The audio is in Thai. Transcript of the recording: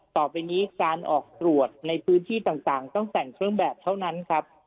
ต่อไปนี้การออกตรวจในพื้นที่ต่างต้องแต่งเครื่องแบบเท่านั้นครับ